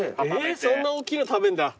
そんな大きいの食べんだ。